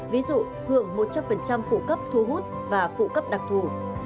ví dụ hưởng một trăm linh phụ cấp thu hút và phụ cấp đặc thù